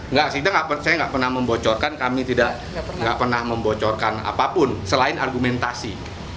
nggak sidang saya nggak pernah membocorkan kami tidak pernah membocorkan apapun selain argumentasi